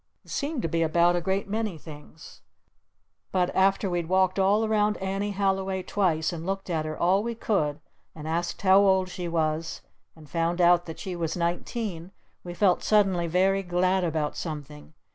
It seemed to be about a great many things. But after we'd walked all around Annie Halliway twice and looked at her all we could and asked how old she was and found out that she was nineteen, we felt suddenly very glad about something.